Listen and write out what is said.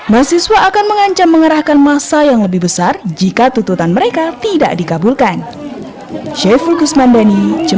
mahasiswa akan mengancam mengerahkan masa yang lebih besar jika tuntutan mereka tidak dikabulkan